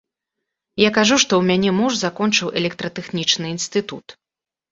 Я кажу, што ў мяне муж закончыў электратэхнічны інстытут.